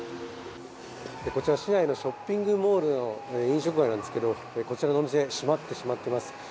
こちら市内のショッピングモールの飲食街なんですけどこちらのお店、閉まってしまっています。